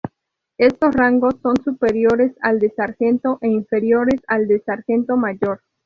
Estos rangos son superiores al de sargento e inferiores al de sargento mayor.